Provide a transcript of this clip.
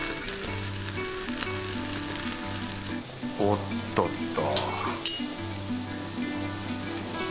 おっとっと